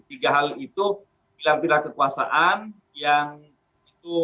tiga hal itu pilihan pilihan kekuasaan yang itu